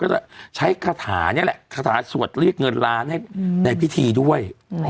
จะใช้คาถานี่แหละคาถาสวดเรียกเงินล้านให้ในพิธีด้วย